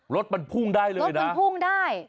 รถมันพุ่งได้เลยนะมันพุ่งได้